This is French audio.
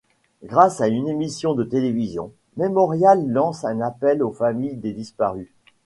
Grâce à une émission de télévision, Memorial lance un appel aux familles des disparus.